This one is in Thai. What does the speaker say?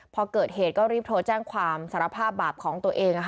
พอเกิดเหตุก็รีบโทรแจ้งความสารภาพบาปของตัวเอง